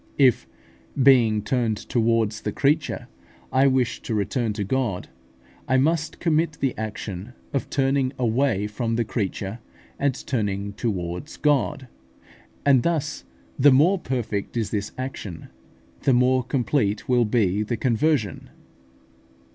If, being turned towards the creature, I wish to return to God, I must commit the action of turning away from the creature, and turning towards God; and thus the more perfect is this action, the more complete will be the conversion.